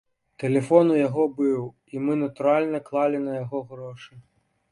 Тэлефон у яго быў, і мы, натуральна, клалі на яго грошы.